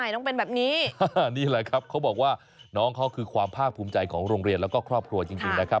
น้องเป็นแบบนี้นี่แหละครับเขาบอกว่าน้องเขาคือความภาคภูมิใจของโรงเรียนแล้วก็ครอบครัวจริงนะครับ